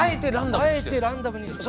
あえてランダムにしてる？